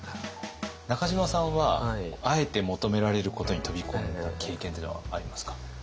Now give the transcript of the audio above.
中島さんはあえて求められることに飛び込んだ経験っていうのはありますか？